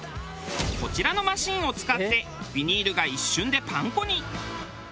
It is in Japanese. こちらのマシンを使ってビニールが一瞬でパン粉に。